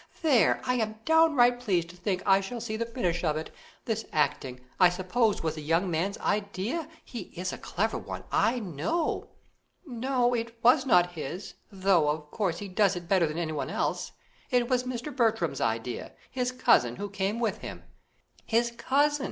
There, I am downright pleased to think I shall see the finish of it. This acting, I suppose was the young man's idea? he is a clever one, I know." "No, it was not his; though, of course, he does it better than anyone else. It was Mr. Bertram's idea his cousin, who came with him." "His cousin!